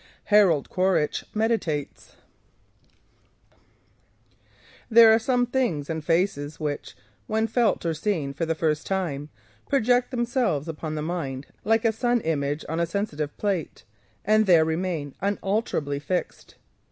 HAROLD QUARITCH MEDITATES There are things and there are faces which, when felt or seen for the first time, stamp themselves upon the mind like a sun image on a sensitized plate and there remain unalterably fixed.